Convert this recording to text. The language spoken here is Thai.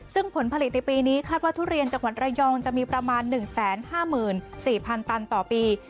ซึ่งผลผลิตในปีนี้คาดว่าทุเรียนจังหวัดระยองจะมีประมาณ๑๕๔๐๐๐ตันต่อปี